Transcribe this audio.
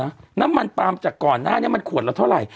น้ำมันปลามจากก่อนหน้านี้มันขวดละเท่าไหร่